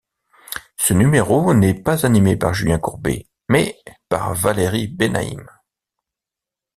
Ce numéro n'est pas animé par Julien Courbet mais par Valérie Bénaïm.